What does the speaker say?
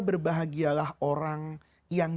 berbahagialah orang yang